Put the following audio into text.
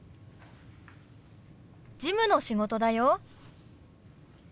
事務の仕事だよ。